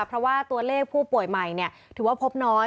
เพราะว่าตัวเลขผู้ป่วยใหม่ถือว่าพบน้อย